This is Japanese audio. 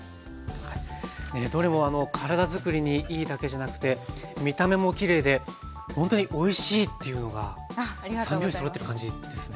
どれも体づくりにいいだけじゃなくて見た目もきれいでほんとにおいしいっていうのが三拍子そろってる感じですね。